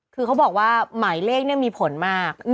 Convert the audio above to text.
คือเขาบอกว่าหมายเลขมีผลมาก